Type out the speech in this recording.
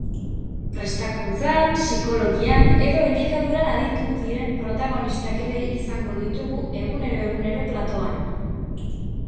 Prestakuntzan, psikologian edo elikaduran aditu diren protagonistak ere izango ditugu egunero-egunero platoan.